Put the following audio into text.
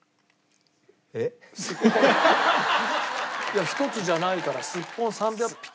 いや１つじゃないからスッポン３００匹。